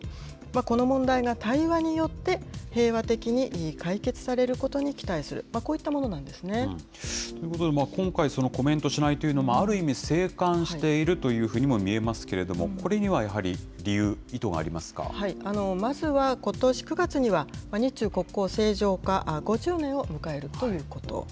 この問題が対話によって、平和的に解決されることに期待する、ということで、今回、そのコメントしないというのもある意味静観しているというふうにも見えますけれども、これにはやはり理由、まずはことし９月には、日中国交正常化５０年を迎えるということ。